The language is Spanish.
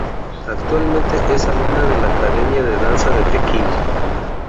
Actualmente es alumna en la Academia de Danza de Pekín.